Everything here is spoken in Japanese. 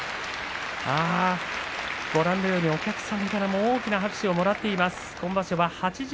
お客さんからも大きな拍手をもらっています。